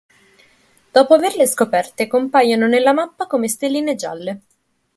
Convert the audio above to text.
Dopo averle scoperte, compaiono nella mappa come stelline gialle.